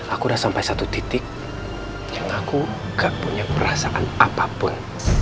aku udah sampai satu titik yang aku gak punya perasaan apapun